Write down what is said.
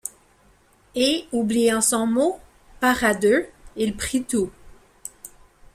Et, oubliant son mot: part à deux, il prit tout.